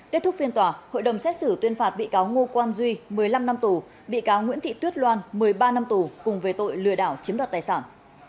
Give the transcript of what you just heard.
kết thúc phiên tòa hội đồng xét xử tuyên phạt bị cáo ngô quan duy một mươi năm năm tù bị cáo nguyễn thị tuyết loan một mươi ba năm tù cùng về tội lừa đảo chiếm đoạt tài sản